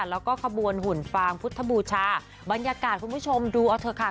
แล้วก็ขบวนหุ่นฟางพุทธบูชาบรรยากาศคุณผู้ชมดูเอาเถอะค่ะ